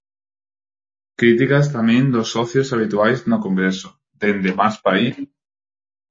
Críticas tamén dos socios habituais no Congreso, dende Más País...